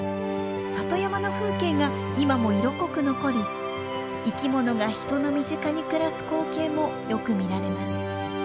里山の風景が今も色濃く残り生きものが人の身近に暮らす光景もよく見られます。